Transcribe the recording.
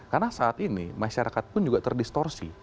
karena saat ini masyarakat pun juga terdistorsi